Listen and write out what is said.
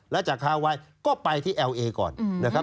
และจากฮาไวลึกเขาก็ไปที่เอลเอนะคะ